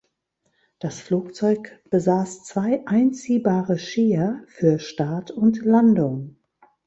Das Flugzeug besaß zwei einziehbare Skier für Start und Landung.